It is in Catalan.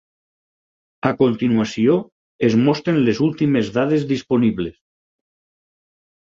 A continuació es mostren les últimes dades disponibles.